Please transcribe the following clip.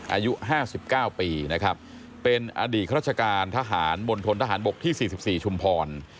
อายุห้าสิบเก้าปีนะครับเป็นอดีตราชการทหารบนทนทหารบกที่สี่สิบสี่ชุมพร